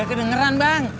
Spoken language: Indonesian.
gak kedengeran bang